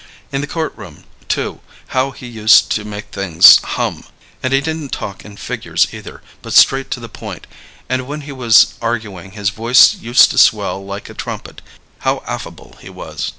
In the court room, too, how he used to make things hum! And he didn't talk in figures either, but straight to the point, and when he was arguing his voice used to swell like a trumpet. How affable he was.